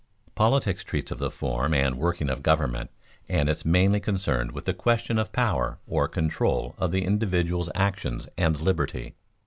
_ Politics treats of the form and working of government and is mainly concerned with the question of power or control of the individual's actions and liberty.